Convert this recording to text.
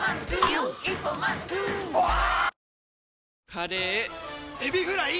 カレーエビフライ！